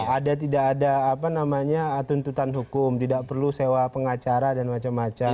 iya tidak ada apa namanya tuntutan hukum tidak perlu sewa pengacara dan macam macam